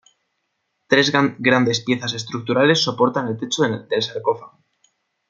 Tres grandes piezas estructurales soportan el techo del Sarcófago.